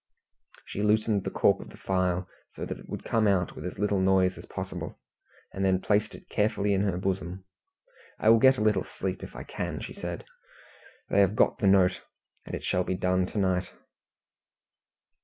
She loosened the cork of the phial, so that it would come out with as little noise as possible, and then placed it carefully in her bosom. "I will get a little sleep if I can," she said. "They have got the note, and it shall be done to night."